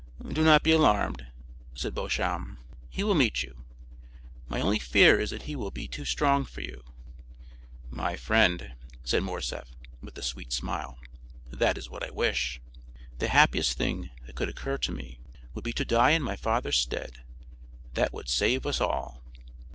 "Do not be alarmed," said Beauchamp; "he will meet you. My only fear is that he will be too strong for you." "My friend," said Morcerf, with a sweet smile, "that is what I wish. The happiest thing that could occur to me, would be to die in my father's stead; that would save us all."